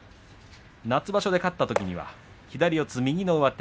夏場所で勝ったときには左四つ右の上手。